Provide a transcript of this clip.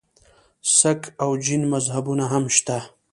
سک او جین مذهبونه هم شته.